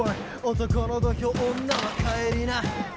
男の土俵女は帰りな